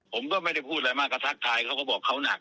ผมก็ไม่ได้พูดอะไรมากก็ทักทายเขาก็บอกเขาหนัก